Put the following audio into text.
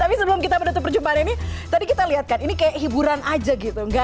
tapi sebelum kita menutup perjumpaan ini tadi kita lihat kan ini kayak hiburan aja gitu